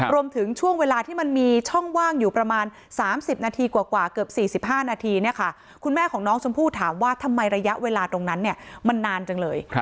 รวมถึงช่วงเวลาที่มันมีช่องว่างอยู่ประมาณ๓๐นาทีกว่าเกือบ๔๕นาทีคุณแม่ของน้องชมพู่ถามว่าทำไมระยะเวลาตรงนั้นมันนานจังเลย